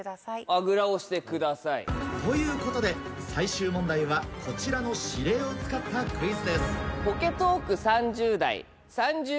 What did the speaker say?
あぐらをしてください。ということで最終問題はこちらの指令を使ったクイズです。